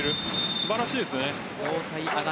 素晴らしいですね。